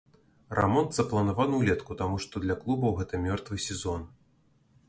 Рамонт запланаваны ўлетку, таму што для клубаў гэта мёртвы сезон.